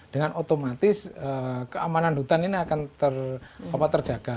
dengan otomatis keamanan hutan ini akan terjaga